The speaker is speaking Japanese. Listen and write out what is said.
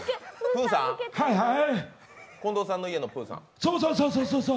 近藤さんの言えのプーさん？